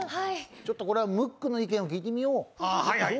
これはムックの意見を聞いてみよう。